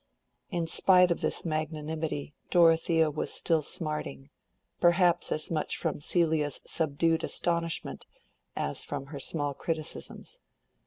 In spite of this magnanimity Dorothea was still smarting: perhaps as much from Celia's subdued astonishment as from her small criticisms.